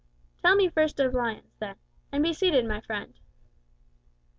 "Tell me first of Lyons, then. And be seated, my friend."